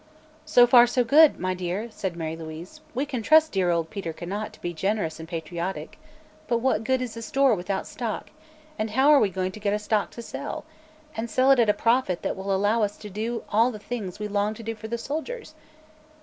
"So far, so good, my dear," said Mary Louise. "We can trust dear old Peter Conant to be generous and patriotic. But what good is a store without stock, and how are we going to get a stock to sell and sell it at a profit that will allow us to do all the things we long to do for the soldiers?"